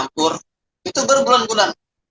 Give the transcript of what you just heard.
kita kalau tidak